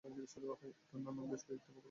এটি অন্যান্য বেশ কয়েকটি প্রকল্পের হোস্ট করে।